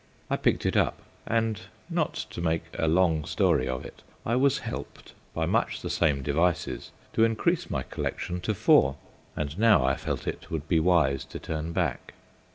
I picked it up, and, not to make a long story of it, I was helped by much the same devices to increase my collection to four. And now I felt it would be wise to turn back.